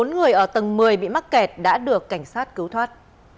bốn người ở tầng một mươi bị mắc kẹt đã được cảnh sát cứu thoát